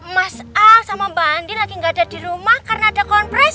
mas a sama mbak andi lagi nggak ada di rumah karena ada kompres